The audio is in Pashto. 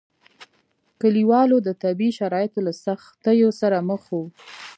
کلیوالو د طبیعي شرایطو له سختیو سره مخ وو.